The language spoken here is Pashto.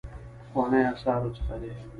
پخوانیو آثارو څخه دی.